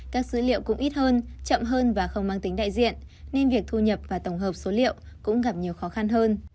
các dữ liệu cũng ít hơn chậm hơn và không mang tính đại diện nên việc thu nhập và tổng hợp số liệu cũng gặp nhiều khó khăn hơn